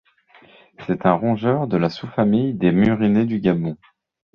C'est un rongeur de la sous-famille des Murinés du Gabon.